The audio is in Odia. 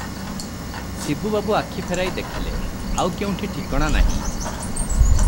ଶିବୁ ବାବୁ ଆଖି ଫେରାଇ ଦେଖିଲେ, ଆଉ କେଉଁଠି ଠିକଣା ନାହିଁ ।